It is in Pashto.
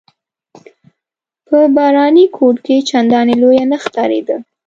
په باراني کوټ کې چنداني لویه نه ښکارېده.